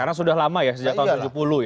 karena sudah lama ya sejak tahun tujuh puluh ya